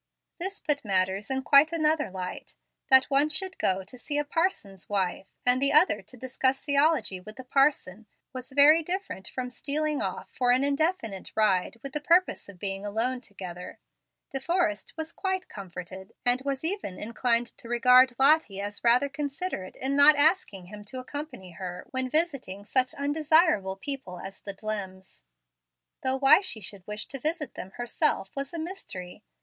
This put matters in quite another light. That one should go to see a parson's wife, and the other to discuss theology with the parson, was very different from stealing off for an indefinite ride with the purpose of being alone together. De Forrest was quite comforted, and was even inclined to regard Lottie as rather considerate in not asking him to accompany her when visiting such undesirable people as the Dlimms. Though why she should wish to visit them herself was a mystery.